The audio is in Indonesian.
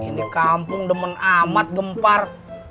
ini kampung demen amat gempar